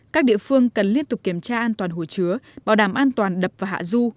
các địa phương cần liên tục kiểm tra an toàn hồ chứa bảo đảm an toàn đập và hạ du